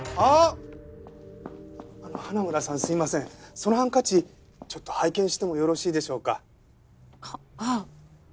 そのハンカチちょっと拝見してもよろしいでしょうか？